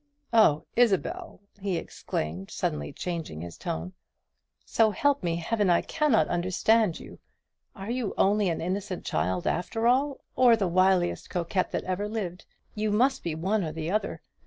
Oh, Isabel!" he exclaimed, suddenly changing his tone, "so help me Heaven, I cannot understand you. Are you only an innocent child, after all, or the wiliest coquette that ever lived? You must be one or the other.